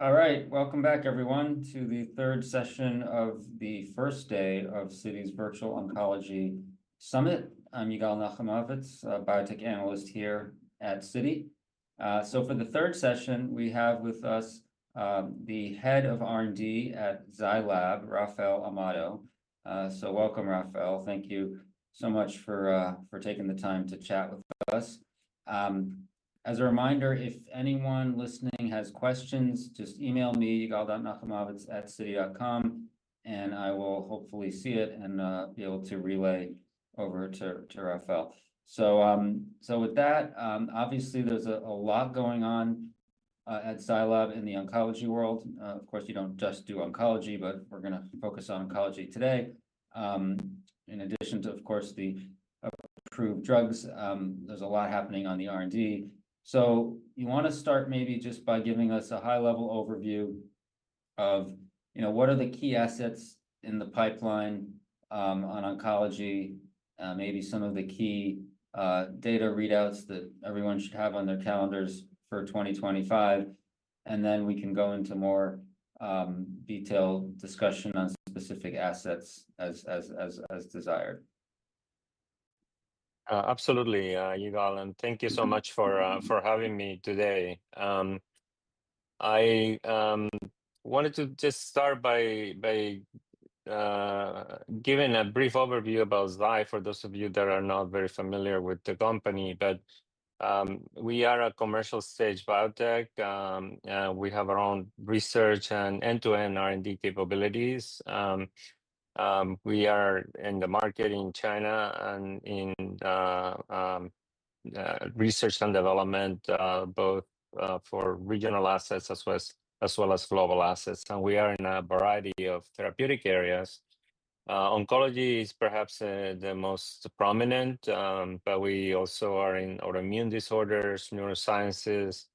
All right, welcome back, everyone, to the third session of the first day of Citi's Virtual Oncology Summit. I'm Yigal Nochomovitz, a biotech analyst here at Citi. So for the third session, we have with us the head of R&D at Zai Lab, Rafael Amado. So welcome, Rafael. Thank you so much for taking the time to chat with us. As a reminder, if anyone listening has questions, just email me, yigal.nochomovitz@citi.com, and I will hopefully see it and be able to relay over to Rafael. So with that, obviously, there's a lot going on at Zai Lab in the oncology world. Of course, you don't just do oncology, but we're going to focus on oncology today. In addition to, of course, the approved drugs, there's a lot happening on the R&D. So you want to start maybe just by giving us a high-level overview of what are the key assets in the pipeline on oncology, maybe some of the key data readouts that everyone should have on their calendars for 2025. And then we can go into more detailed discussion on specific assets as desired. Absolutely, Yigal, and thank you so much for having me today. I wanted to just start by giving a brief overview about Zai for those of you that are not very familiar with the company, but we are a commercial-stage biotech. We have our own research and end-to-end R&D capabilities. We are in the market in China and in research and development, both for regional assets as well as global assets, and we are in a variety of therapeutic areas. Oncology is perhaps the most prominent, but we also are in autoimmune disorders, neurosciences,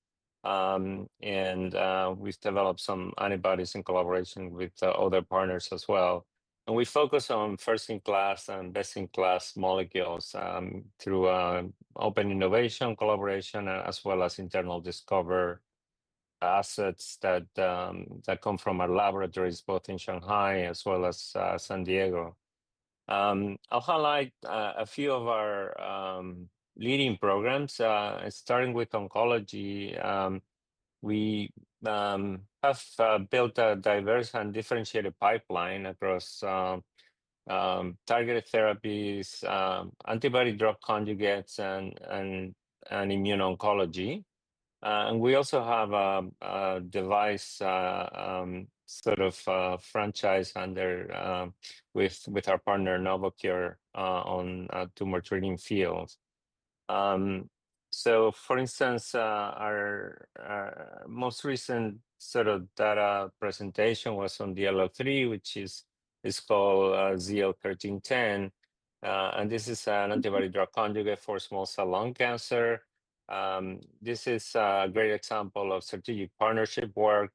and we've developed some antibodies in collaboration with other partners as well. And we focus on first-in-class and best-in-class molecules through open innovation collaboration as well as internal discovery assets that come from our laboratories, both in Shanghai as well as San Diego. I'll highlight a few of our leading programs. Starting with oncology, we have built a diverse and differentiated pipeline across targeted therapies, antibody-drug conjugates, and immuno-oncology. And we also have a device sort of franchise with our partner, Novocure, on tumor treating fields. So for instance, our most recent sort of data presentation was on DLL3, which is called ZL-1310. And this is an antibody-drug conjugate for small cell lung cancer. This is a great example of strategic partnership work.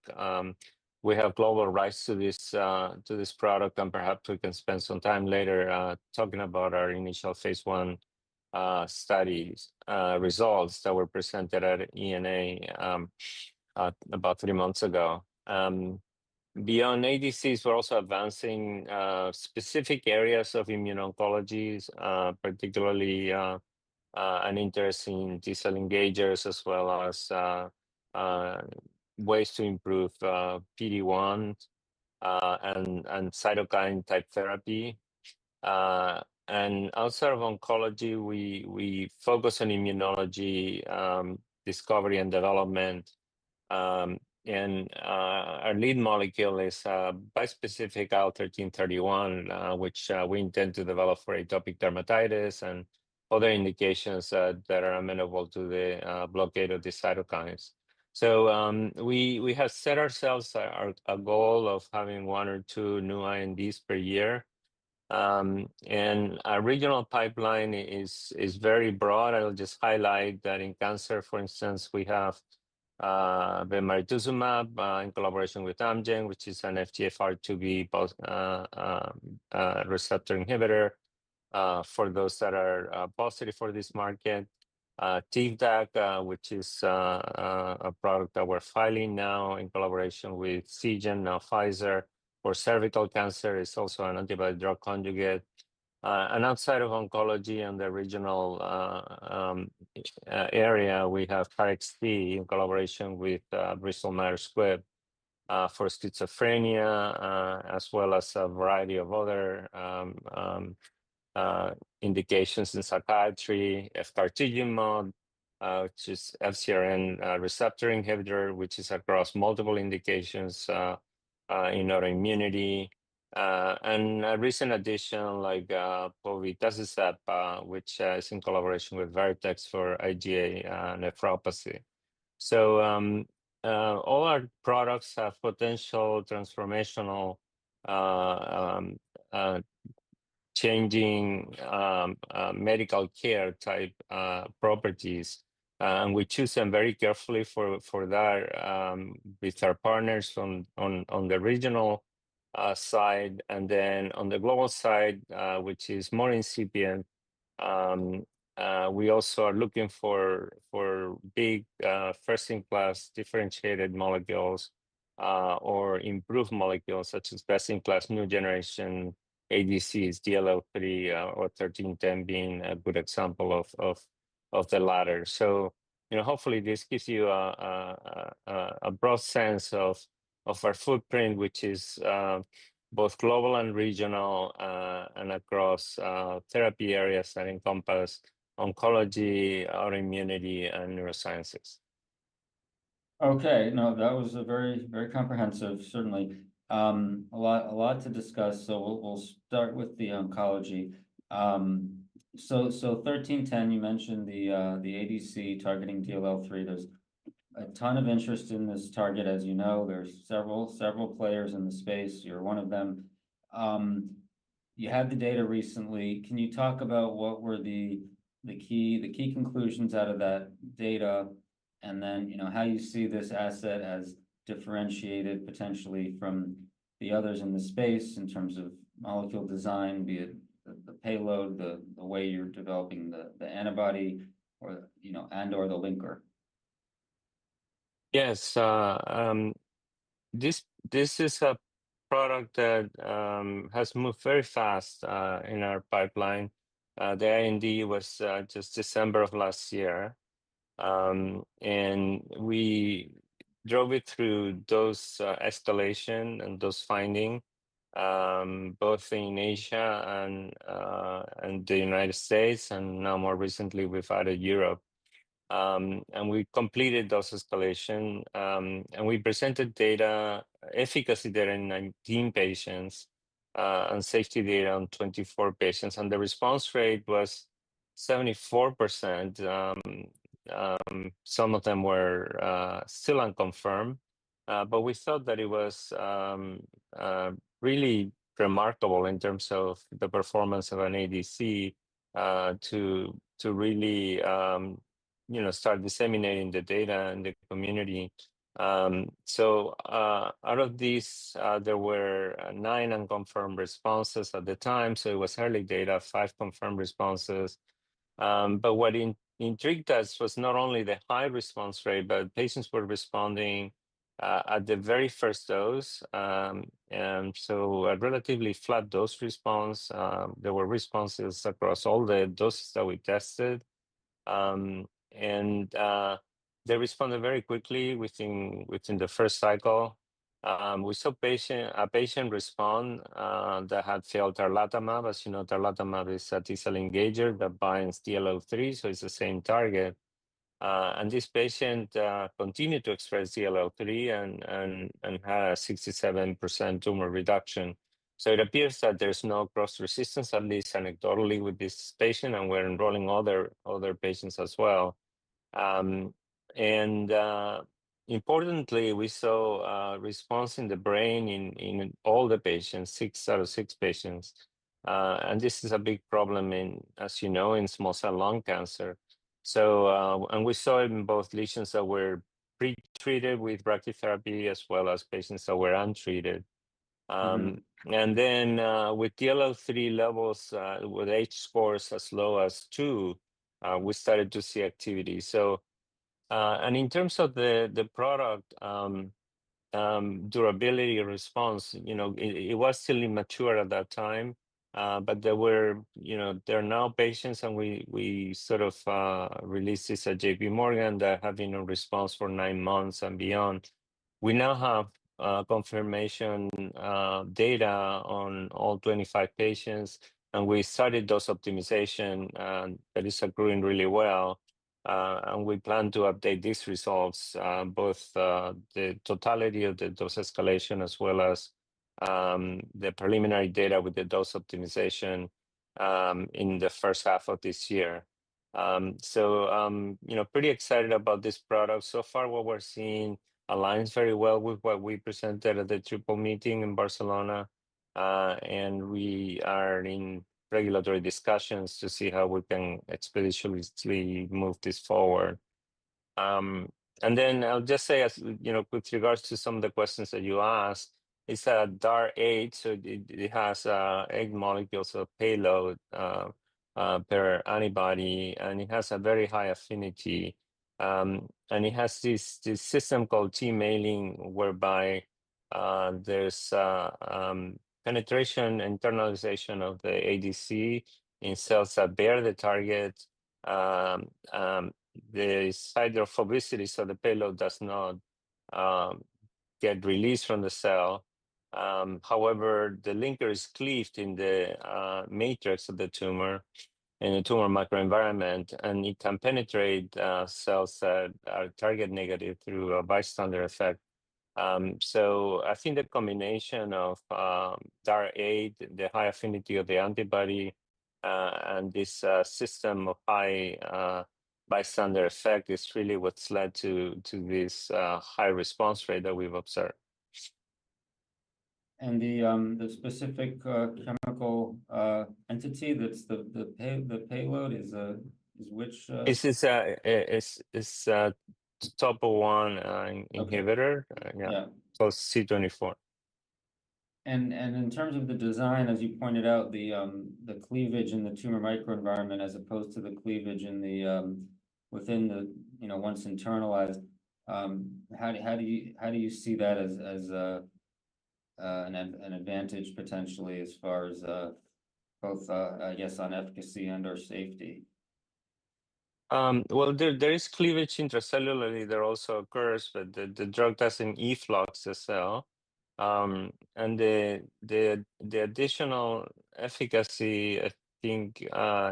We have global rights to this product, and perhaps we can spend some time later talking about our initial phase I study results that were presented at ENA about three months ago. Beyond ADCs, we're also advancing specific areas of immune oncologies, particularly an interest in T-cell engagers as well as ways to improve PD-1 and cytokine-type therapy. And outside of oncology, we focus on immunology discovery and development. And our lead molecule is bispecific IL-13/IL-31, which we intend to develop for atopic dermatitis and other indiications that are amenable to the blockade of the cytokines. So we have set ourselves a goal of having one or two new INDs per year. And our regional pipeline is very broad. I'll just highlight that in cancer, for instance, we have the bemarituzumab in collaboration with Amgen, which is an FGFR2b receptor inhibitor for those that are positive for this marker. Tivdak, which is a product that we're filing now in collaboration with Seagen, now Pfizer, for cervical cancer, is also an antibody-drug conjugate. Outside of oncology in the regional area, we have KarXT in collaboration with Bristol Myers Squibb for schizophrenia, as well as a variety of other indications in psychiatry. Efgartigimod, which is FcRn receptor inhibitor, which is across multiple indications in autoimmunity. And a recent addition, like povetacicept, which is in collaboration with Vertex for IgA nephropathy. All our products have potential transformational changing medical care type properties. We choose them very carefully for that with our partners on the regional side. On the global side, which is more incipient, we also are looking for big first-in-class differentiated molecules or improved molecules such as best-in-class new generation ADCs, DLL3 or 1310 being a good example of the latter. Hopefully, this gives you a broad sense of our footprint, which is both global and regional and across therapy areas that encompass oncology, autoimmunity, and neurosciences. Okay. No, that was very comprehensive, certainly. A lot to discuss. So we'll start with the oncology. So 1310, you mentioned the ADC targeting DLL3. There's a ton of interest in this target, as you know. There's several players in the space. You're one of them. You had the data recently. Can you talk about what were the key conclusions out of that data and then how you see this asset as differentiated potentially from the others in the space in terms of molecule design, be it the payload, the way you're developing the antibody, and/or the linker? Yes. This is a product that has moved very fast in our pipeline. The I&D was just December of last year, and we drove it through those escalations and those findings, both in Asia and the United States, and now more recently, we've added Europe. And we completed those escalations, and we presented efficacy data in 19 patients and safety data on 24 patients. And the response rate was 74%. Some of them were still unconfirmed, but we thought that it was really remarkable in terms of the performance of an ADC to really start disseminating the data in the community. So out of these, there were nine unconfirmed responses at the time. It was early data: five confirmed responses. What intrigued us was not only the high response rate, but patients were responding at the very first dose, and so a relatively flat dose response. There were responses across all the doses that we tested, and they responded very quickly within the first cycle. We saw a patient respond that had failed tarlatamab. As you know, tarlatamab is a T-cell engager that binds DLL3, so it's the same target, and this patient continued to express DLL3 and had a 67% tumor reduction. So it appears that there's no cross-resistance, at least anecdotally, with this patient. And we're enrolling other patients as well, and importantly, we saw response in the brain in all the patients, six out of six patients. And this is a big problem, as you know, in small cell lung cancer, and we saw it in both lesions that were pretreated with brachytherapy as well as patients that were untreated. Then with DLL3 levels, with H-scores as low as two, we started to see activity. So and in terms of the product durability response, it was still immature at that time. But there are now patients, and we sort of released this at JPMorgan that have been in response for nine months and beyond. We now have confirmation data on all 25 patients. And we started dose optimization that is accruing really well. And we plan to update these results, both the totality of the dose escalation as well as the preliminary data with the dose optimization in the first half of this year. So pretty excited about this product. So far, what we're seeing aligns very well with what we presented at the triple meeting in Barcelona. And we are in regulatory discussions to see how we can expeditiously move this forward. And then I'll just say, with regards to some of the questions that you asked, it's a DAR8. So it has eight molecules of payload per antibody. And it has a very high affinity. And it has this system called TMALIN, whereby there's penetration and internalization of the ADC in cells that bear the target. There is hydrophobicity, so the payload does not get released from the cell. However, the linker is cleaved in the matrix of the tumor and the tumor microenvironment. And it can penetrate cells that are target negative through a bystander effect. So I think the combination of DAR8, the high affinity of the antibody, and this system of high bystander effect is really what's led to this high response rate that we've observed. The specific chemical entity that's the payload is which? This is a topoisomerase I inhibitor, yeah, plus C24. And in terms of the design, as you pointed out, the cleavage in the tumor microenvironment as opposed to the cleavage within the once internalized, how do you see that as an advantage potentially as far as both, I guess, on efficacy and/or safety? There is cleavage intracellularly. There also occurs, but the drug doesn't efflux the cell. The additional efficacy, I think,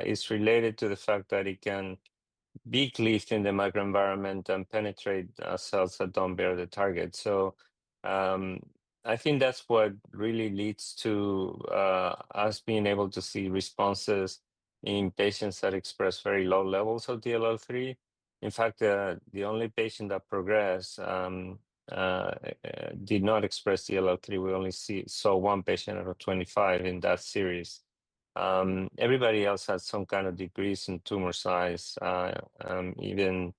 is related to the fact that it can be cleaved in the microenvironment and penetrate cells that don't bear the target. I think that's what really leads to us being able to see responses in patients that express very low levels of DLL3. In fact, the only patient that progressed did not express DLL3. We only saw one patient out of 25 in that series. Everybody else had some kind of decrease in tumor size. Even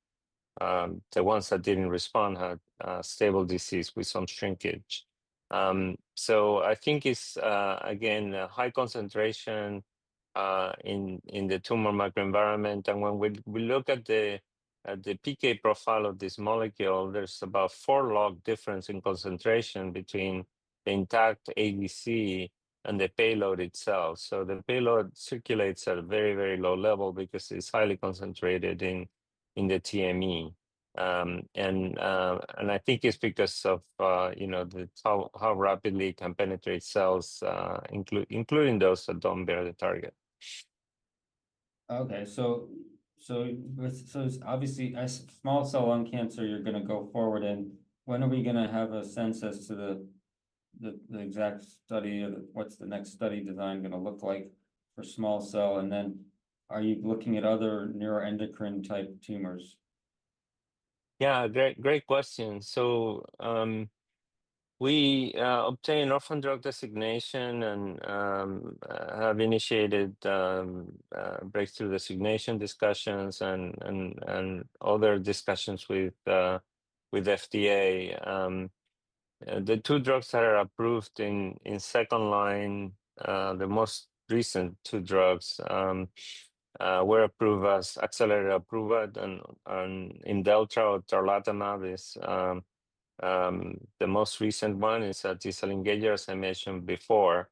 the ones that didn't respond had stable disease with some shrinkage. I think it's, again, a high concentration in the tumor microenvironment. When we look at the PK profile of this molecule, there's about four log difference in concentration between the intact ADC and the payload itself. The payload circulates at a very, very low level because it's highly concentrated in the TME. I think it's because of how rapidly it can penetrate cells, including those that don't bear the target. Okay, so obviously, as small cell lung cancer, you're going to go forward, and when are we going to have a sense as to the exact study of what's the next study design going to look like for small cell, and then are you looking at other neuroendocrine-type tumors? Yeah, great question. So we obtained orphan drug designation and have initiated breakthrough designation discussions and other discussions with FDA. The two drugs that are approved in second line, the most recent two drugs, were approved as accelerated approval. And in Imdelltra or Tarlatamab, the most recent one is a disengager, as I mentioned before.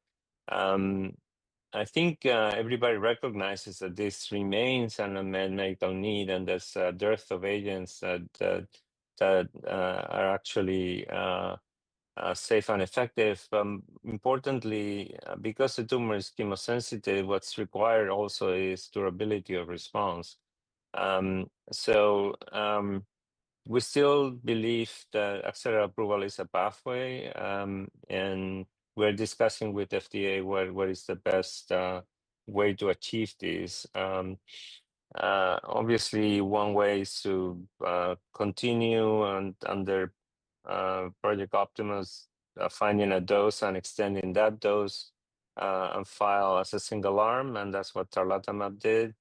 I think everybody recognizes that this remains an unmet medical need and there's a dearth of agents that are actually safe and effective. But importantly, because the tumor is chemosensitive, what's required also is durability of response. So we still believe that accelerated approval is a pathway. And we're discussing with FDA what is the best way to achieve this. Obviously, one way is to continue under Project Optimus finding a dose and extending that dose and file as a single arm. And that's what Tarlatamab did.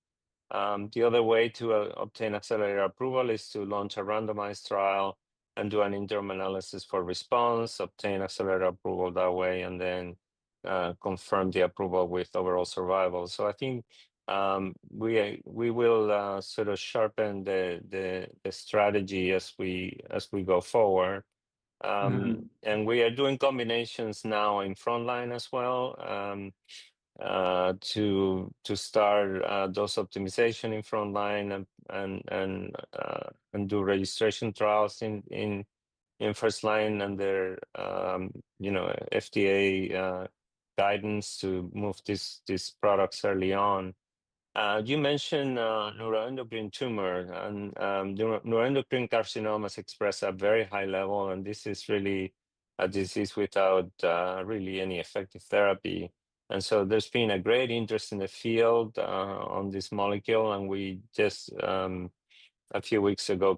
The other way to obtain accelerated approval is to launch a randomized trial and do an indirect analysis for response, obtain accelerated approval that way, and then confirm the approval with overall survival. So I think we will sort of sharpen the strategy as we go forward. And we are doing combinations now in front line as well to start dose optimization in front line and do registration trials in first line under, you know, FDA guidance to move these products early on. You mentioned neuroendocrine tumor. Neuroendocrine carcinomas express at a very high level. And this is really a disease without really any effective therapy. And so there's been a great interest in the field on this molecule. And we just, a few weeks ago,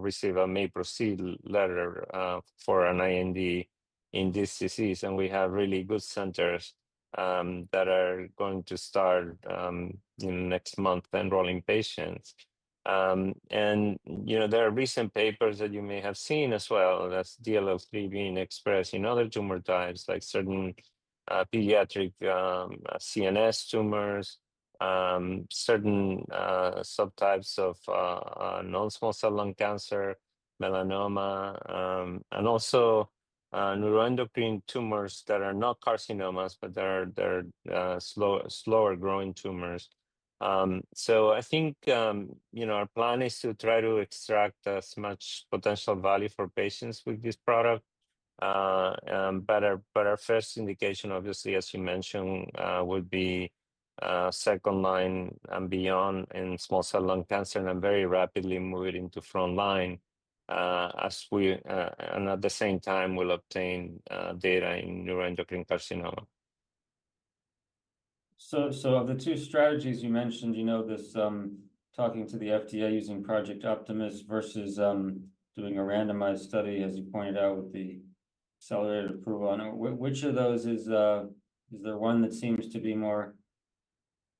received a May Proceed letter for an IND in this disease. And we have really good centers that are going to start in the next month enrolling patients. And there are recent papers that you may have seen as well as DLL3 being expressed in other tumor types, like certain pediatric CNS tumors, certain subtypes of non-small cell lung cancer, melanoma, and also neuroendocrine tumors that are not carcinomas, but they're slower-growing tumors. So I think our plan is to try to extract as much potential value for patients with this product. But our first I&Dication, obviously, as you mentioned, would be second line and beyond in small cell lung cancer and very rapidly move it into front line and at the same time will obtain data in neuroendocrine carcinoma. So of the two strategies you mentioned, talking to the FDA using Project Optimus versus doing a randomized study, as you pointed out, with the accelerated approval, which of those is the one that seems to be more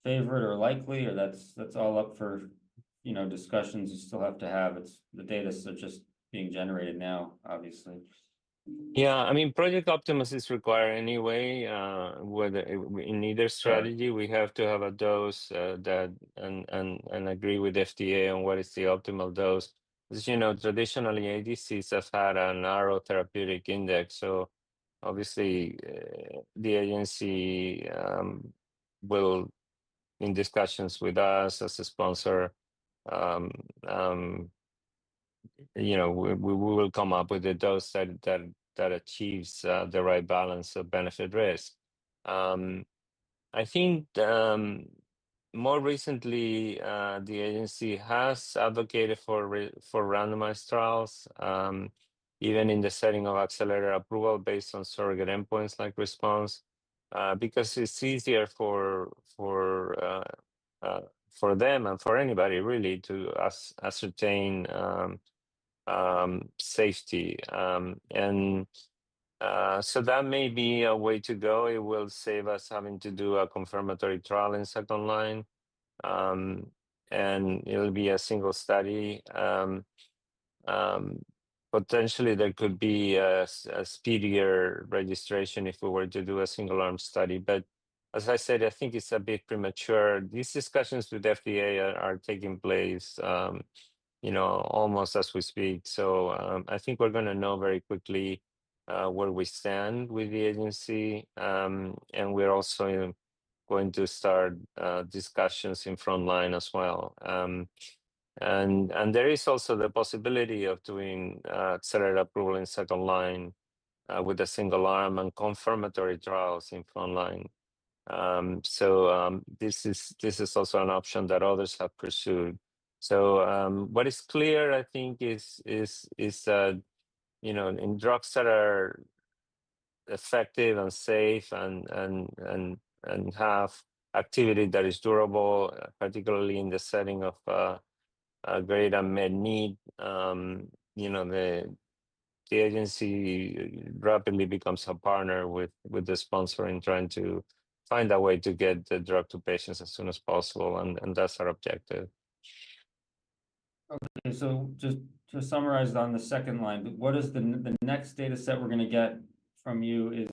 favored or likely, or that's all up for discussions? You still have to have the data that's just being generated now, obviously. Yeah. I mean, Project Optimus is required anyway. In either strategy, we have to have a dose and agree with FDA on what is the optimal dose. As you know, traditionally, ADCs have had a narrow therapeutic index. So obviously, the agency will, in discussions with us as a sponsor, we will come up with a dose that achieves the right balance of benefit-risk. I think more recently, the agency has advocated for randomized trials, even in the setting of accelerated approval based on surrogate endpoints like response, because it's easier for them and for anybody, really, to ascertain safety. And so that may be a way to go. It will save us having to do a confirmatory trial in second line. And it'll be a single study. Potentially, there could be a speedier registration if we were to do a single-arm study. But as I said, I think it's a bit premature. These discussions with FDA are taking place almost as we speak. So I think we're going to know very quickly where we stand with the agency. And we're also going to start discussions in first-line as well. And there is also the possibility of doing accelerated approval in second-line with a single-arm and confirmatory trials in first-line. So this is also an option that others have pursued. So what is clear, I think, is that in drugs that are effective and safe and have activity that is durable, particularly in the setting of greater unmet need, the agency rapidly becomes a partner with the sponsor in trying to find a way to get the drug to patients as soon as possible. And that's our objective. Okay. So just to summarize on the second line, what is the next data set we're going to get from you?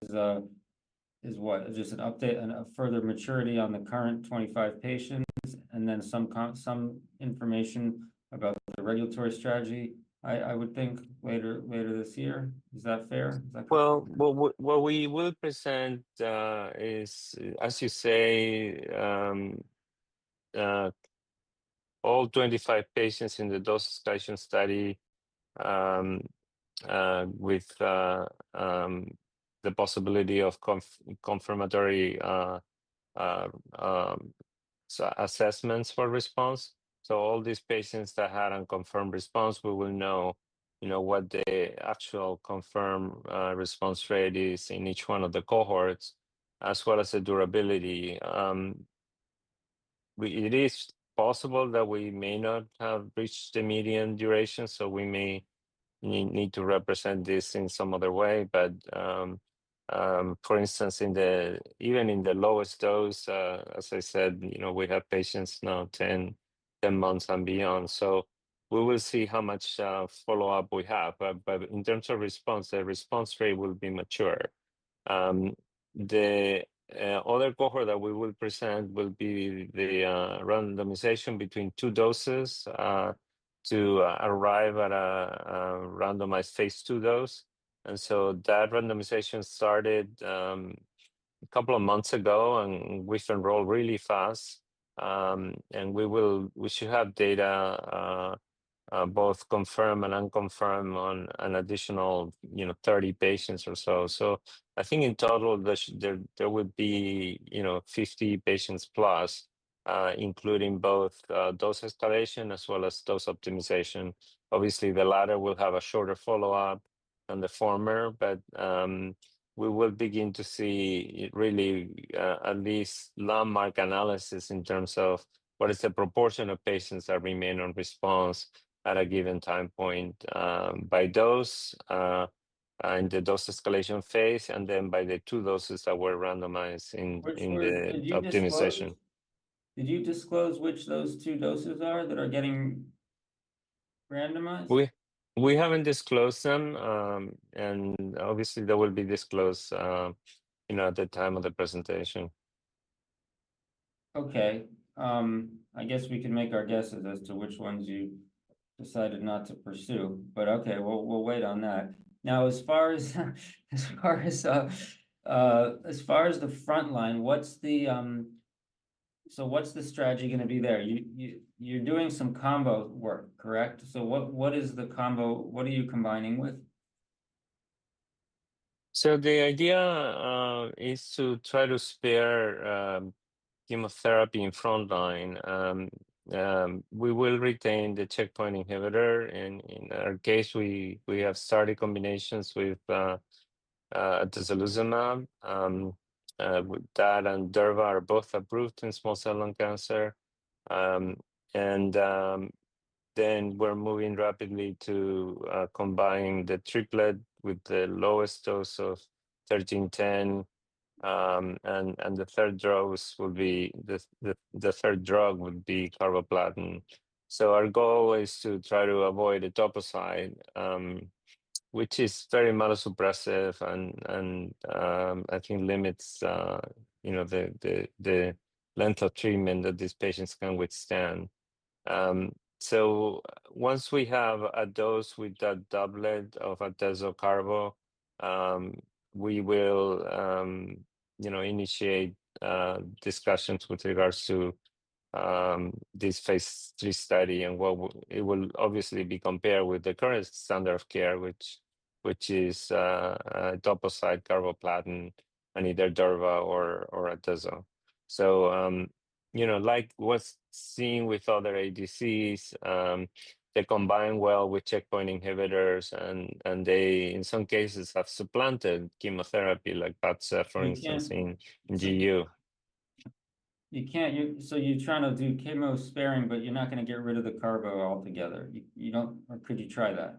Is what? Just an update and a further maturity on the current 25 patients and then some information about the regulatory strategy, I would think, later this year. Is that fair? What we will present is, as you say, all 25 patients in the dose discussion study with the possibility of confirmatory assessments for response. So all these patients that had unconfirmed response, we will know what the actual confirmed response rate is in each one of the cohorts, as well as the durability. It is possible that we may not have reached the median duration. So we may need to represent this in some other way. But for instance, even in the lowest dose, as I said, we have patients now 10 months and beyond. So we will see how much follow-up we have. But in terms of response, the response rate will be mature. The other cohort that we will present will be the randomization between two doses to arrive at a randomized phase II dose. And so that randomization started a couple of months ago, and we've enrolled really fast. And we should have data both confirmed and unconfirmed on an additional 30 patients or so. So I think in total, there would be 50 patients plus, including both dose escalation as well as dose optimization. Obviously, the latter will have a shorter follow-up than the former. But we will begin to see really at least landmark analysis in terms of what is the proportion of patients that remain on response at a given time point by dose in the dose escalation phase and then by the two doses that were randomized in the optimization. Did you disclose which those two doses are that are getting randomized? We haven't disclosed them, and obviously, they will be disclosed at the time of the presentation. Okay. I guess we can make our guesses as to which ones you decided not to pursue. But okay, we'll wait on that. Now, as far as the front line, so what's the strategy going to be there? You're doing some combo work, correct? So what is the combo? What are you combining with? So the idea is to try to spare chemotherapy in frontline. We will retain the checkpoint inhibitor. In our case, we have started combinations with the Atezolizumab. With that and Durva are both approved in small cell lung cancer. And then we're moving rapidly to combine the triplet with the lowest dose of 13. 1310, and the third drug would be carboplatin. So our goal is to try to avoid Etoposide, which is very malosuppressive and I think limits the length of treatment that these patients can withstand. So once we have a dose with that doublet of Atezo/Carbo, we will initiate discussions with regards to this phase III study. And it will obviously be compared with the current standard of care, which is Etoposide, Carboplatin, and either Durva or Atezo So, you know, like what's seen with other ADCs, they combine well with checkpoint inhibitors, and they, in some cases, have supplanted chemotherapy like that, for instance, in GU. So you're trying to do chemo sparing, but you're not going to get rid of the carbo altogether. Could you try that?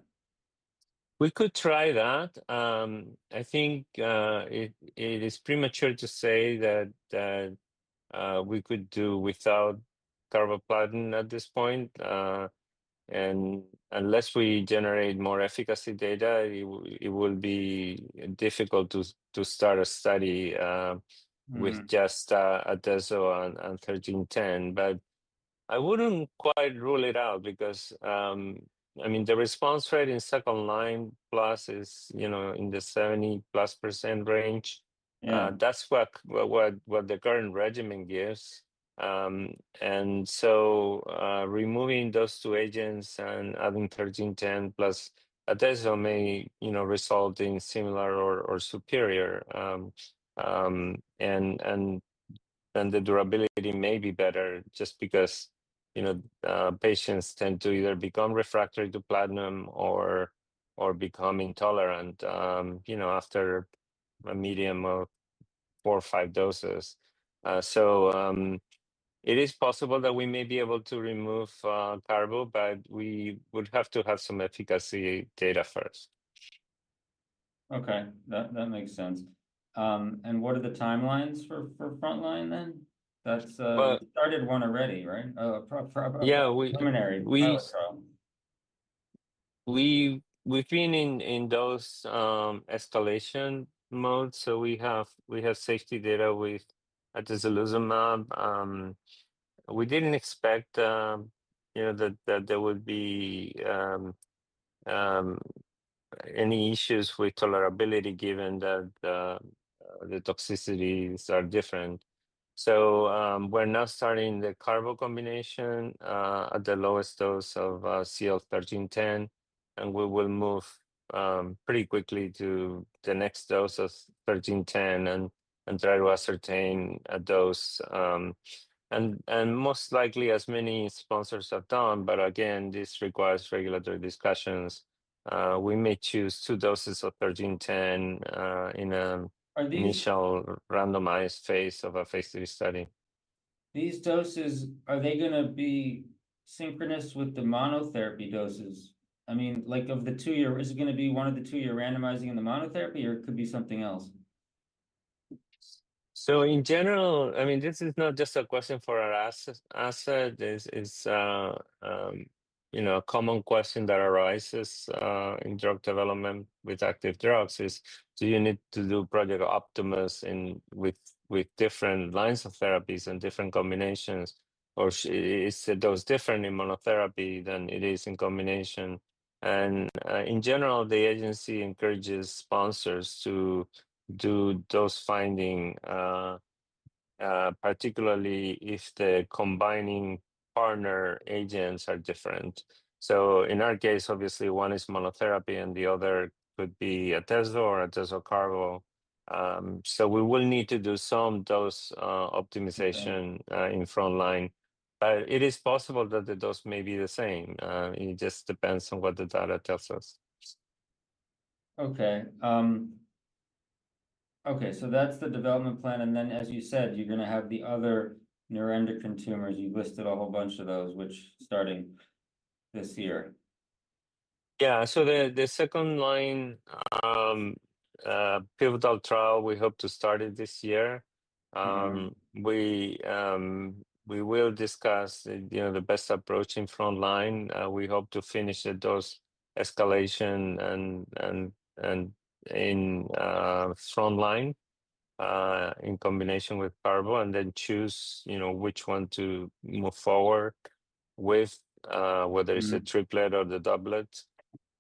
We could try that. I think it is premature to say that we could do without carboplatin at this point. And unless we generate more efficacy data, it will be difficult to start a study with just Ateo and 1310. I wouldn't quite rule it out because, I mean, the response rate in second line plus is, you know, in the 70-plus percentage range. That's what the current regimen gives. And so removing those two agents and adding 1310 plus Atezoliumab, you know, resulting similar or superior. And the durability may be better just because, you know, patients tend to either become refractory to platinum or become intolerant, you know, after a medium of four or five doses. So it is possible that we may be able to remove Carbo, but we would have to have some efficacy data first. Okay. That makes sense. And what are the timelines for front line then? You started one already, right? Yeah. We've been in those escalation modes. So we have safety data with atezolizumab. We didn't expect you know, that there would be any issues with tolerability given that the toxicities are different. So we're now starting the carbo combination at the lowest dose of ZL-1310. And we will move pretty quickly to the next dose of 1310 and try to ascertain a dose. And most likely, as many sponsors have done, but again, this requires regulatory discussions. We may choose two doses of 1310 in an initial randomized phase of a phase III study. These doses, are they going to be synchronous with the monotherapy doses? I mean, of the two-year, is it going to be one of the two-year randomizing in the monotherapy, or it could be something else? So in general, I mean, this is not just a question for our asset. It's you know, common question that arises in drug development with active drugs is, do you need to do Project Optimus with different lines of therapies and different combinations? Or is it those different in monotherapy than it is in combination? And in general, the agency encourages sponsors to do dose fI&Ding, particularly if the combining partner agents are different. So in our case, obviously, one is monotherapy, and the other could be a tesla or a tesla cargo. So we will need to do some dose optimization in front line, but it is possible that the dose may be the same. It just depends on what the data tells us. Okay. So that's the development plan. And then, as you said, you're going to have the other neuroendocrine tumors. You've listed a whole bunch of those, which starting this year. Yeah. So the second line pivotal trial, we hope to start it this year. We will discuss the best approach in front line. We hope to finish the dose escalation in front line in combination with carbo and then choose which one to move forward with, whether it's a triplet or the doublet.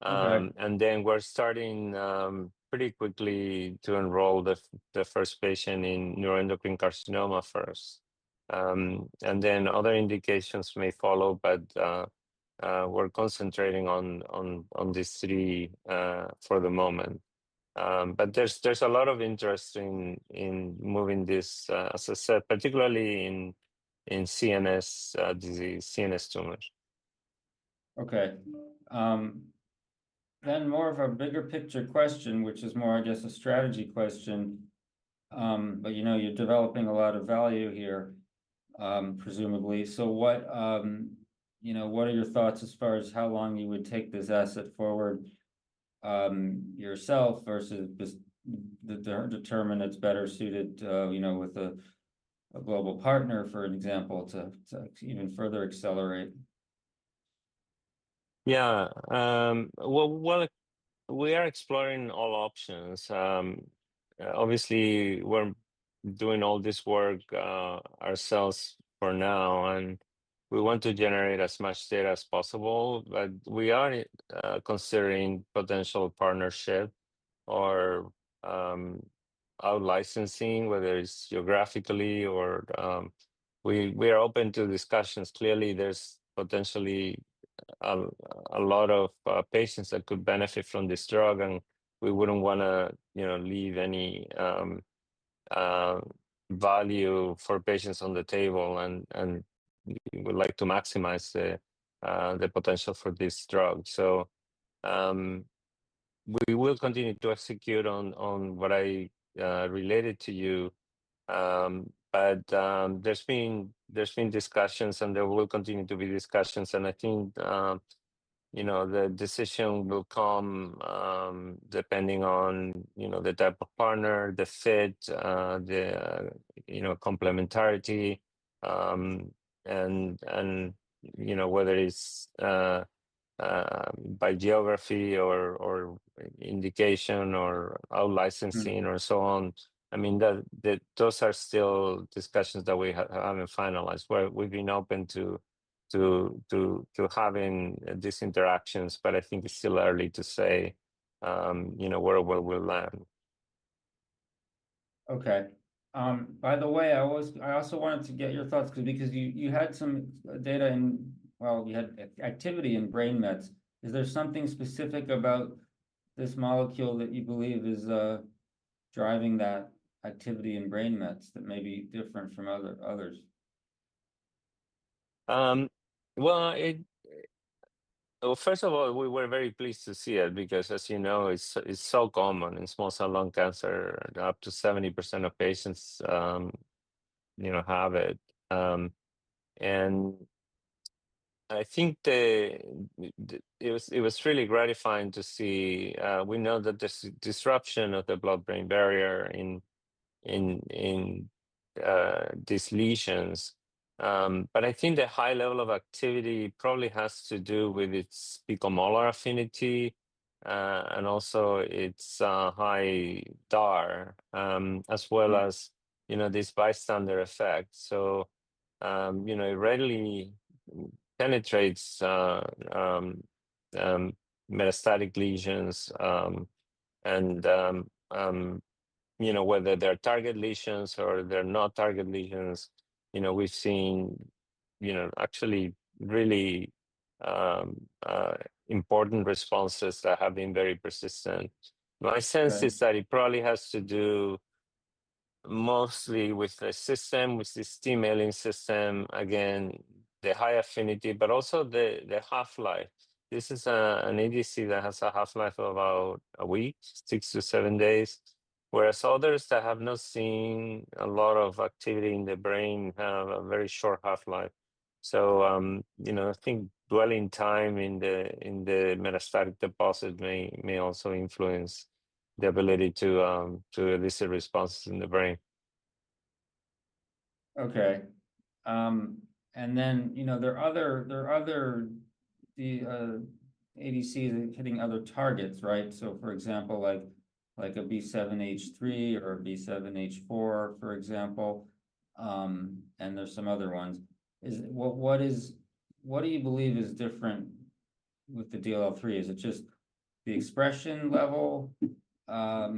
And then we're starting pretty quickly to enroll the first patient in neuroendocrine carcinoma first. And then other I&Dications may follow, but we're concentrating on these three for the moment. But there's a lot of interest in moving this, as I said, particularly in CNS disease, CNS tumors. Okay, then more of a bigger picture question, which is more, I guess, a strategy question, but you're developing a lot of value here, presumably, so what are your thoughts as far as how long you would take this asset forward yourself versus determine it's better suited with a global partner, for an example, to even further accelerate? Yeah. Well, we are exploring all options. Obviously, we're doing all this work ourselves for now. And we want to generate as much data as possible. But we are considering potential partnership or out-licensing, whether it's geographically or we are open to discussions. Clearly, there's potentially a lot of patients that could benefit from this drug. And we wouldn't want to leave any value for patients on the table. And we would like to maximize the potential for this drug. So we will continue to execute on what I related to you. But there's been discussions, and there will continue to be discussions. And I think the decision will come depending on the type of partner, the fit, the complementarity, and you know, whether it's by geography or indication or out-licensing or so on. I mean, those are still discussions that we haven't finalized. Where we've been open to having dis interactions, but I think it's still early to say, you know, where we'll land. Okay. By the way, I also wanted to get your thoughts because you had some data in, well, you had activity in brain Mets. Is there something specific about this molecule that you believe is driving that activity in brain Mets that may be different from others? First of all, we were very pleased to see it because, as you know, it's so common in small cell lung cancer. Up to 70% of patients have it. And, I think it was really gratifying to see, we know that there's disruption of the blood-brain barrier in these lesions. But I think the high level of activity probably has to do with its picomolar affinity and also its high DAR as well as this bystander effect. So it readily penetrates, metastatic lesions and you know, whether they're target lesions or they're not target lesions you know, we've seen actually really important responses that have been very persistent. My sense is that it probably has to do mostly with the system with this TMALIN system again the high affinity but also the half-life. This is an ADC that has a half-life of about a week six to seven days, whereas others that have not seen a lot of activity in the brain have a very short half-life. So you know, I think dwelling time in the metastatic deposit may also influence the ability to elicit responses in the brain. Okay. And then there are other ADCs hitting other targets, right? So for example, like a B7-H3 or B7-H4, for example, and there's some other ones. What do you believe is different with the DLL3? Is it just the expression level or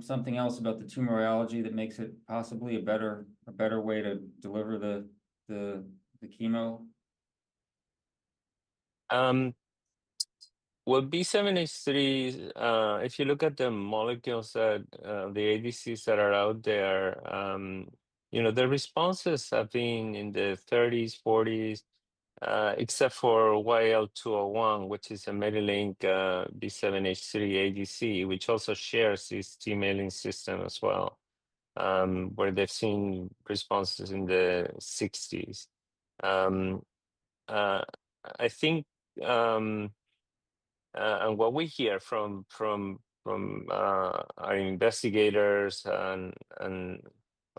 something else about the tumor biology that makes it possibly a better way to deliver the chemo? Well B7-H3, if you look at the molecules that the ADCs that are out there, the responses have been in the 30s, 40s, except for YL201, which is a Medi Link B7-H3 ADC, which also shares this TMALIN system as well, where they've seen responses in the 60s. I think, and what we hear from our investigators and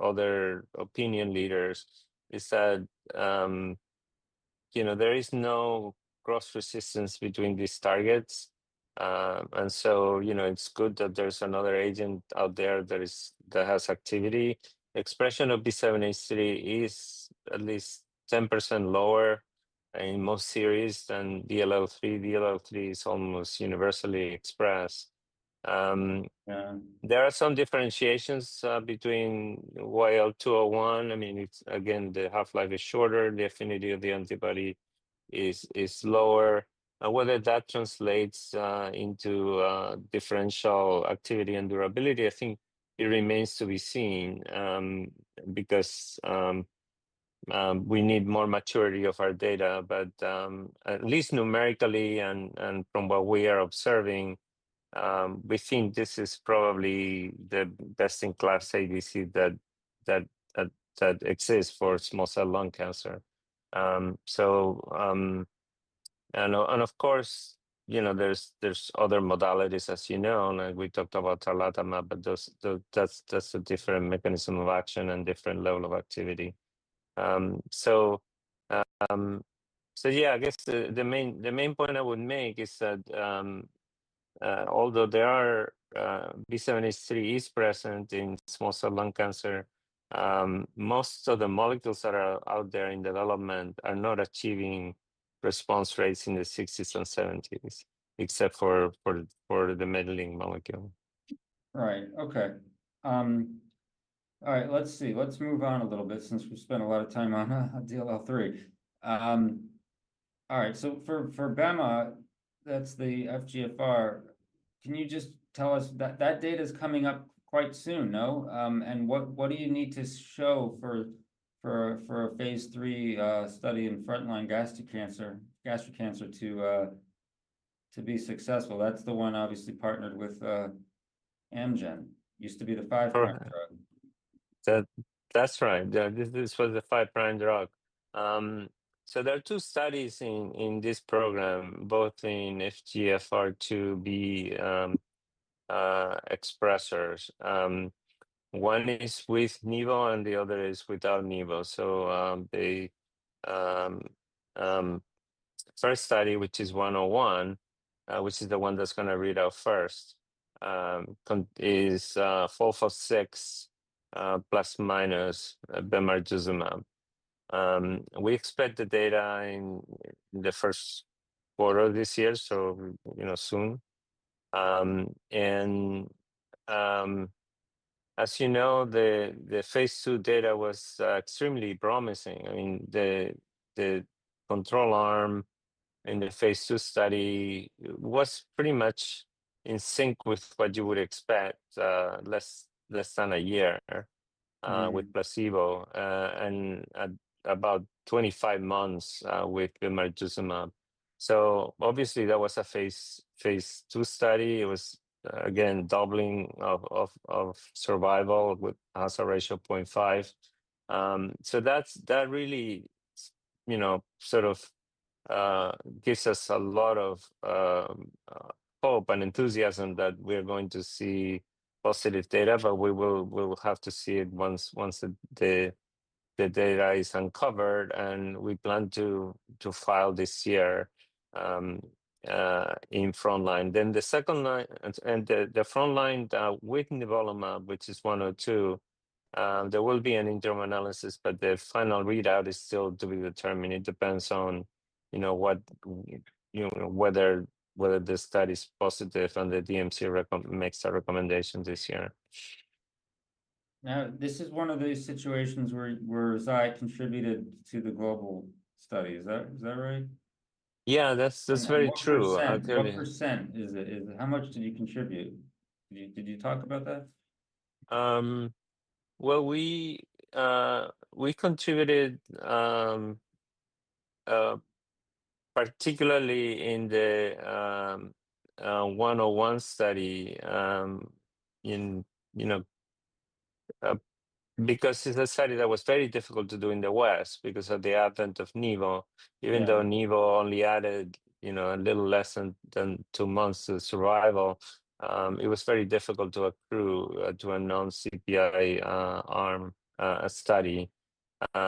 other opinion leaders is that, you know, there is no gross resistance between these targets. And so, you know, it's good that there's another agent out there that has activity. Expression of B7-H3 is at least 10% lower in most series than DLL3. DLL3 is almost universally expressed. There are some differentiations between YL201. I mean, again, the half-life is shorter. The affinity of the antibody is lower. Whether that translates into differential activity and durability, I think it remains to be seen because we need more maturity of our data. But at least numerically and from what we are observing, we think this is probably the best-in-class ADC that exists for small cell lung cancer. So, and of course, there's other modalities, as you know, and we talked about tarlatamab, but that's a different mechanism of action and different level of activity. So yeah, I guess the main point I would make is that although B7-H3 is present in small cell lung cancer, most of the molecules that are out there in development are not achieving response rates in the 60s and 70s, except for the MediLink molecule. Right. Okay. All right, let's see. Let's move on a little bit since we've spent a lot of time on DLL3. All right, So for BEMA, that's the FGFR, can you just tell us that data is coming up quite soon, no? And what do you need to show for a phase III study in frontline gastric cancer to be successful? That's the one obviously partnered with Amgen, used to be the Five Prime drug. That's right. This was a Five Prime drug. So there are two studies in this program, both in FGFR2B expressors. One is with NIVO and the other is without NIVO. So the first study, which is 101, which is the one that's going to read out first, is 446 plus minus Bemarituzumab. We expect the data in the Q1 of this year, so soon. As you know, the phase II data was extremely promising. I mean, the control arm in the phase II study was pretty much in sync with what you would expect, less than a year with placebo and about 25 months with Bemarituzumab. So obviously, that was a phase II study. It was again, doubling of survival with a ratio of 0.5. So that really, you know, sort of gives us a lot of hope and enthusiasm that we are going to see positive data, but we will have to see it once the data is uncovered. And we plan to file this year in frontline. Then the second line and the frontline with Nivolumab, which is 102, there will be an interim analysis, but the final readout is still to be determined. It depends on, you know what, whether the study is positive and the DMC makes a recommendation this year. Now, this is one of those situations where Zai contributed to the global study. Is that right? Yeah, that's very true. How much did you contribute? Did you talk about that? Well we contributed particularly in the 101 study because it's a study that was very difficult to do in the West because of the advent of NIVO. Even though NIVO only added a little less than two months to survival, it was very difficult to accrue to a non-CPI arm study.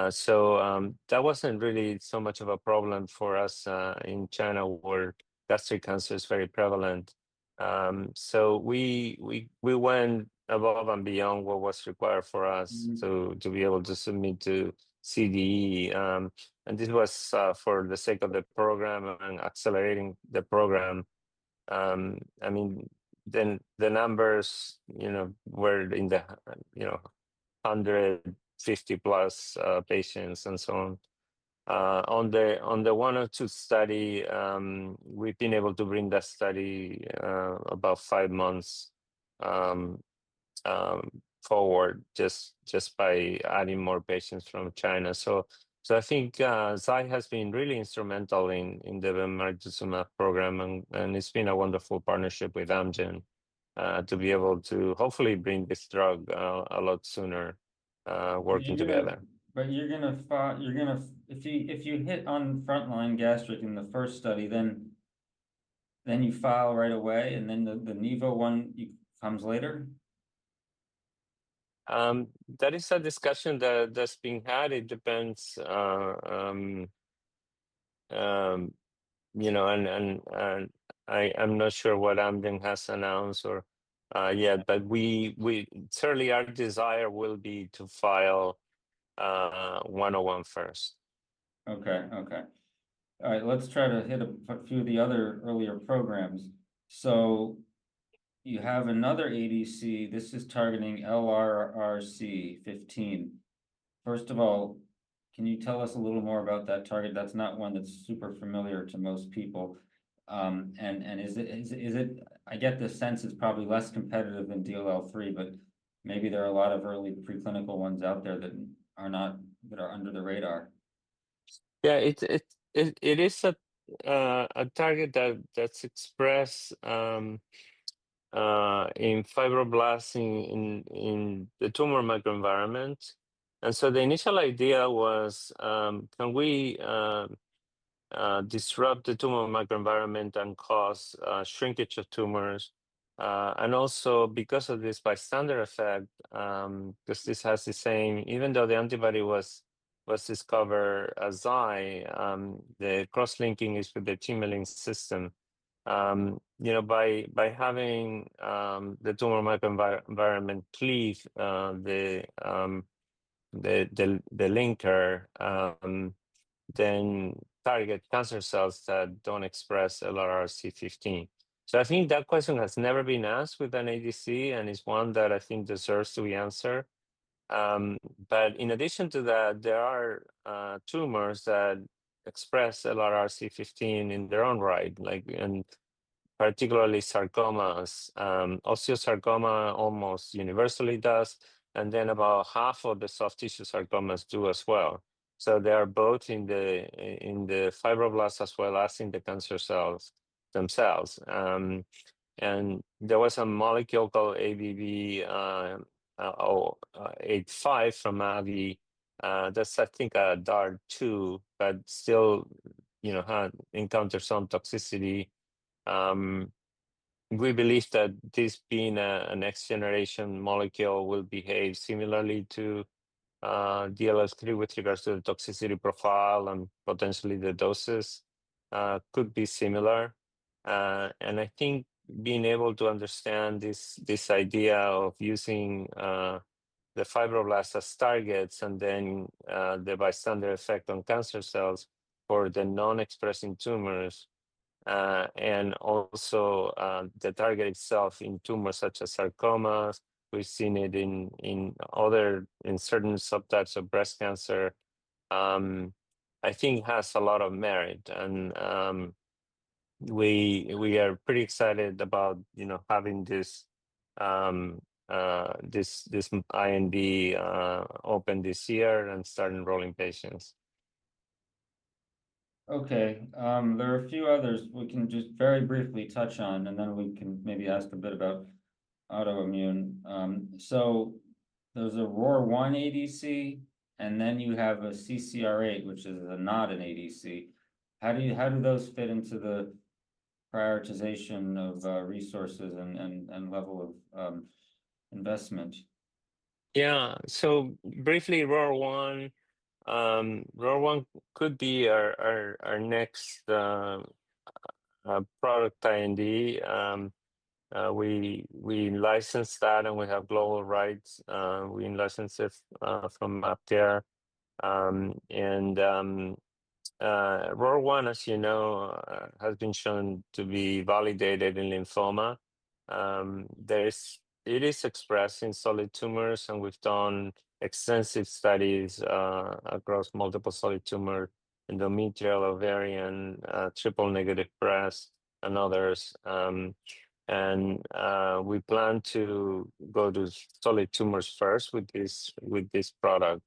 So that wasn't really so much of a problem for us in China where gastric cancer is very prevalent. So we went above and beyond what was required for us to be able to submit to CDE. And this was for the sake of the program and accelerating the program. I mean, then the numbers were in the 150-plus patients and so on. On the 102 study, we've been able to bring that study about five months forward just by adding more patients from China. I think Zai has been really instrumental in the Bemarituzumab program, and it's been a wonderful partnership with Amgen to be able to hopefully bring this drug a lot sooner working together. But you're going to, if you hit on front line gastric in the first study, then you file right away, and then the NIVO one comes later? That is a discussion that's being had. It depends, and I'm not sure what Amgen has announced yet, but certainly our desire will be to file IND first. Okay. All right. Let's try to hit a few of the other earlier programs. So you have another ADC. This is targeting LRRC15. First of all, can you tell us a little more about that target? That's not one that's super familiar to most people, and I get the sense it's probably less competitive than DLL3, but maybe there are a lot of early preclinical ones out there that are under the radar. Yeah, it is a target that's expressed in fibroblasts in the tumor microenvironment. And so the initial idea was, can we disrupt the tumor microenvironment and cause shrinkage of tumors? And also because of this bystander effect, because this has the same, even though the antibody was discovered at Zai, the cross-linking is with the TMALIN system. By having the tumor microenvironment cleave the linker, then target cancer cells that don't express LRRC15. So I think that question has never been asked with an ADC, and it's one that I think deserves to be answered. But in addition to that, there are tumors that express LRRC15 in their own right, particularly sarcomas. Osteosarcoma almost universally does, and then about half of the soft tissue sarcomas do as well. So they are both in the fibroblasts as well as in the cancer cells themselves. And there was a molecule called ABBV-085. I think, a DAR 2, but still encountered some toxicity. We believe that this being a next-generation molecule will behave similarly to DLS3 with regards to the toxicity profile and potentially the doses could be similar. And I think being able to understand this idea of using the fibroblasts as targets and then the bystander effect on cancer cells for the non-expressing tumors and also the target itself in tumors such as sarcomas, we've seen it in certain subtypes of breast cancer, I think has a lot of merit. And we are pretty excited about having this IND open this year and start enrolling patients. Okay. There are a few others we can just very briefly touch on, and then we can maybe ask a bit about autoimmune. So there's a ROR1 ADC, and then you have a CCR8, which is not an ADC. How do those fit into the prioritization of resources and level of investment? Yeah. So briefly, ROR1 could be our next product IND. We licensed that and we have global rights. We licensed it from BAPIA. And ROR1, as you know, has been shown to be validated in lymphoma. It is expressing solid tumors, and we've done extensive studies across multiple solid tumors, endometrial ovarian triple-negative breast and others. And we plan to go to solid tumors first with this product.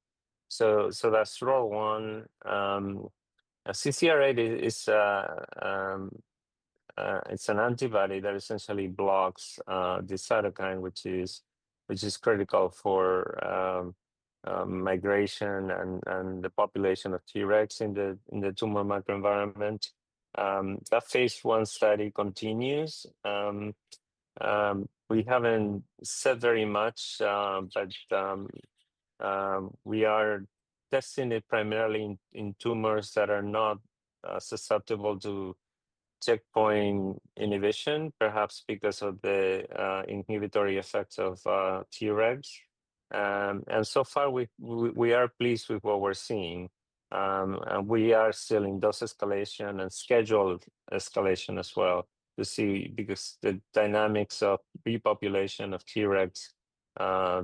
So that's ROR1. CCR8, it's an antibody that essentially blocks the cytokine, which is critical for migration and the population of Tregs in the tumor microenvironment. A phase I study continues. We haven't said very much, but we are testing it primarily in tumors that are not susceptible to checkpoint inhibition, perhaps because of the inhibitory effects of Tregs. And so far, we are pleased with what we're seeing. And we are still in dose escalation and scheduled escalation as well to see because the dynamics of repopulation of Tregs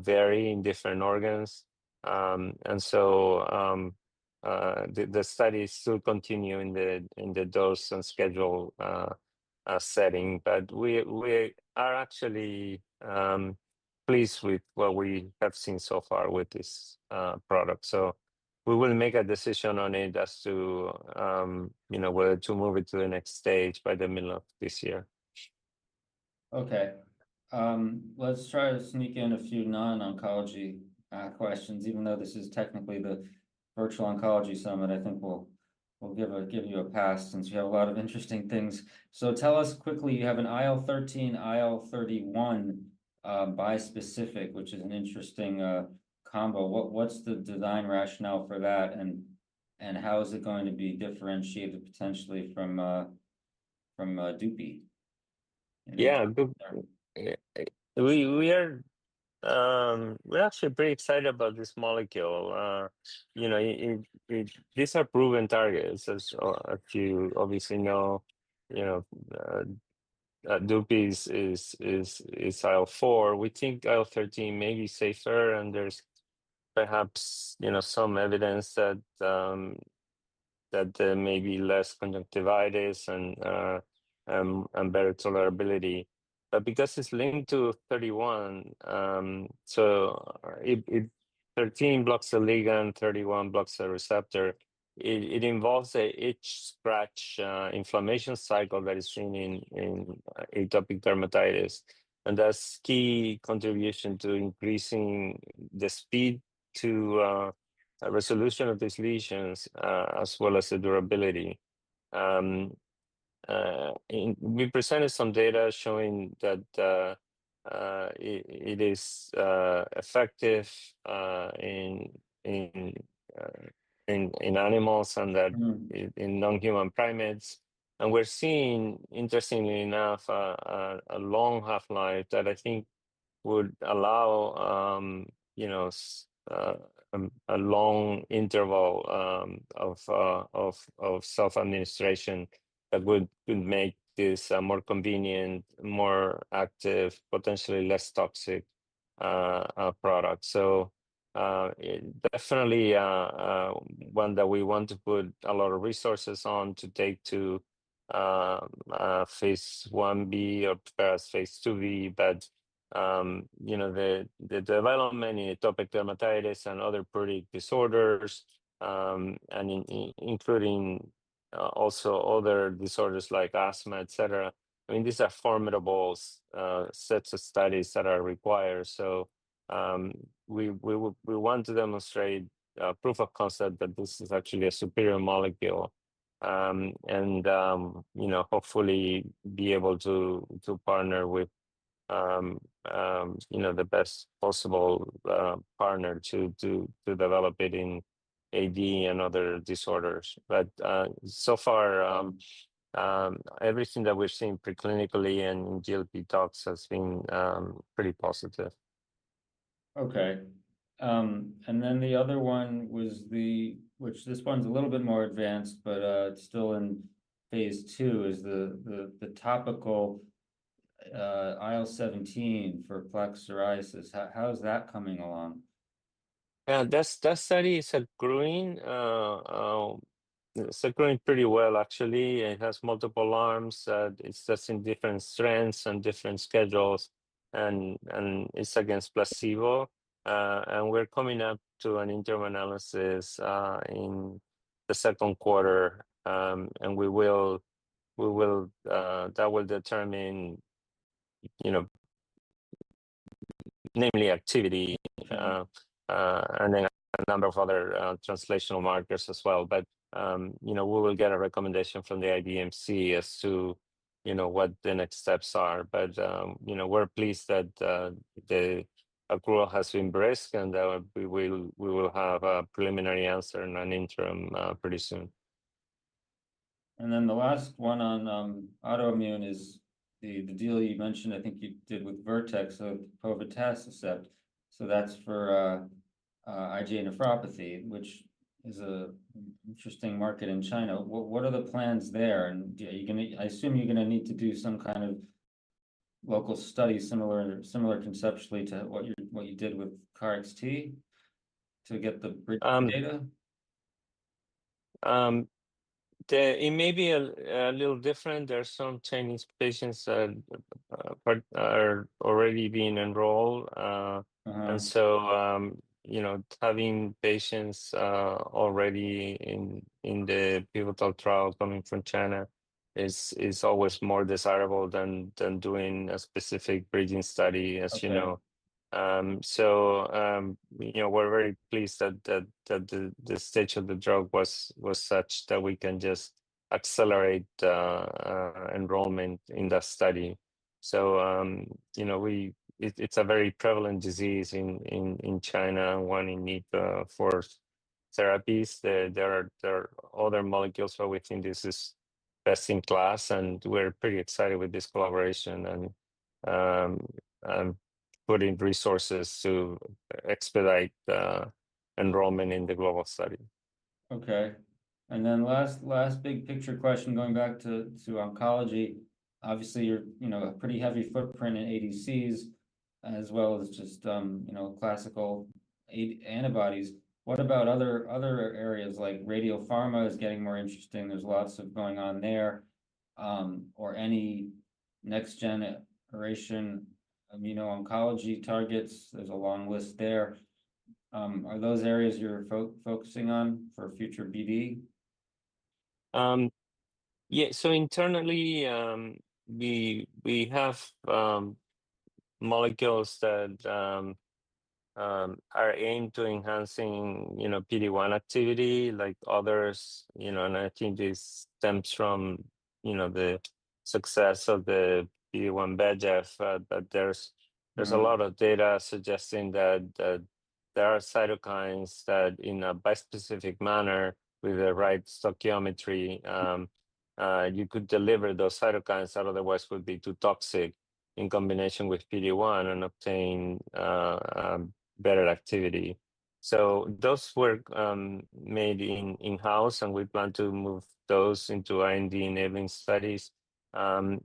vary in different organs. And so the studies still continue in the dose and schedule setting. But we are actually pleased with what we have seen so far with this product. So we will make a decision on it as to whether to move it to the next stage by the middle of this year. Okay. Let's try to sneak in a few non-oncology questions. Even though this is technically the virtual oncology summit, I think we'll give you a pass since we have a lot of interesting things. So tell us quickly, you have an IL-13, IL-31 bispecific, which is an interesting combo. What's the design rationale for that, and how is it going to be differentiated potentially from Dupixent? Yeah. We're actually pretty excited about this molecule. You know, these are proven targets. As you obviously know, Dupixent is IL-4. We think IL-13 may be safer, and there's perhaps some evidence that there may be less conjunctivitis and better tolerability. But because it's linked to 31, so 13 blocks the ligand, 31 blocks the receptor, it involves an itch-scratch inflammation cycle that is seen in atopic dermatitis. And that's key contribution to increasing the speed to resolution of these lesions as well as the durability. We presented some data showing that it is effective in animals and that in non-human primates. And we're seeing, interestingly enough, a long half-life that I think would allow a long interval of self-administration that would make this a more convenient, more active, potentially less toxic product. So definitely one that we want to put a lot of resources on to take to phase I-B or prepare as phase II-B. But you know, the development in atopic dermatitis and other pruritic disorders, including also other disorders like asthma, et cetera, I mean, these are formidable sets of studies that are required. So we want to demonstrate proof of concept that this is actually a superior molecule and hopefully be able to partner with the best possible partner to develop it in AD and other disorders. But so far, everything that we've seen preclinically and in GLP tox has been pretty positive. Okay. And then the other one was the, which this one's a little bit more advanced, but still in phase II is the topical IL-17 for plaque psoriasis. How's that coming along? Yeah, that study is accruing. It's accruing pretty well, actually. It has multiple arms that it's testing different strengths and different schedules, and it's against placebo, and we're coming up to an interim analysis in the second quarter, and we will, that will determine namely activity and then a number of other translational markers as well, but we will get a recommendation from the IDMC as to what the next steps are, but we're pleased that the accrual has been brisk, and we will have a preliminary answer in an interim pretty soon. Then the last one on autoimmune is the deal you mentioned, I think you did with Vertex of Povetacicept. So that's for IgA nephropathy, which is an interesting market in China. What are the plans there? And I assume you're going to need to do some kind of local study similar conceptually to what you did with KarXT to get the bridge data. It may be a little different. There are some Chinese patients that are already being enrolled. And so having patients already in the pivotal trial coming from China is always more desirable than doing a specific bridging study, as you know. So we're very pleased that the stage of the drug was such that we can just accelerate enrollment in that study. So it's a very prevalent disease in China and one in need for therapies. There are other molecules, but we think this is best in class, and we're pretty excited with this collaboration and putting resources to expedite enrollment in the global study. Okay. And then last big picture question going back to oncology. Obviously, you're a pretty heavy footprint in ADCs as well as just classical antibodies. What about other areas like radio pharma? It's getting more interesting. There's lots going on there. Or any next-generation immuno-oncology targets? There's a long list there. Are those areas you're focusing on for future BD? Yeah. So internally, we have molecules that are aimed to enhancing PD-1 activity like others. And I think this stems from the success of the PD-1 blockade. But there's a lot of data suggesting that there are cytokines that in a bispecific manner with the right stoichiometry, you could deliver those cytokines that otherwise would be too toxic in combination with PD-1 and obtain better activity. So those were made in-house, and we plan to move those into IND enabling studies. And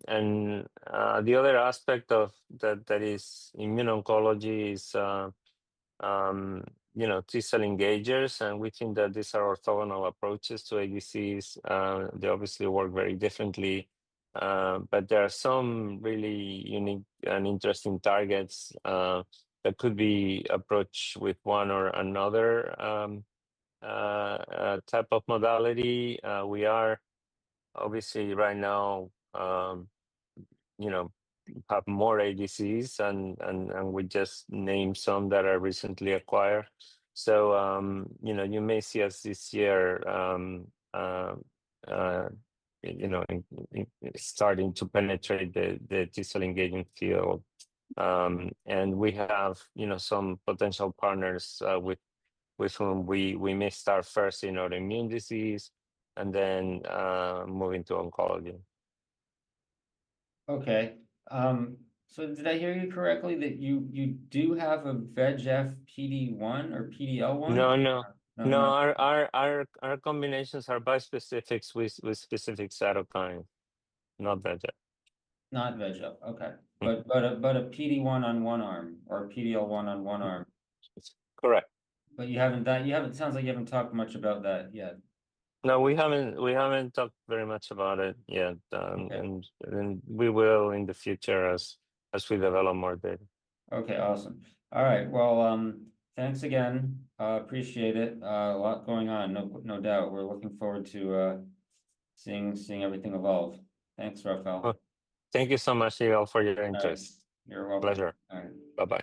the other aspect that is immuno-oncology is T-cell engagers. And we think that these are orthogonal approaches to ADCs. They obviously work very differently. But there are some really unique and interesting targets that could be approached with one or another type of modality. We are obviously right now have more ADCs, and we just named some that are recently acquired. So you may see us this year starting to penetrate the T-cell engaging field. And we have some potential partners with whom we may start first in autoimmune disease and then move into oncology. Okay, so did I hear you correctly that you do have a VEGF PD-1 or PD-L1? No, no, no. Our combinations are bispecific with specific cytokine, not VEGF. Not VEGF. Okay. But a PD-1 on one arm or a PD-L1 on one arm. Correct. But it sounds like you haven't talked much about that yet. No, we haven't talked very much about it yet, and we will in the future as we develop more data. Okay. Awesome. All right. Well, thanks again. Appreciate it. A lot going on, no doubt. We're looking forward to seeing everything evolve. Thanks, Rafael. Thank you so much, Yigal, for your interest. You're welcome. Pleasure. All right. Bye-bye.